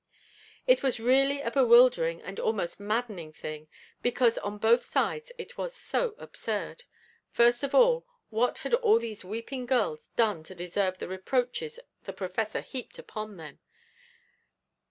It was really a bewildering and almost maddening thing, because on both sides it was so absurd. First of all, what had all these weeping girls done to deserve the reproaches the Professor heaped upon them?